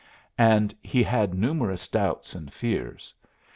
And he had numerous doubts and fears.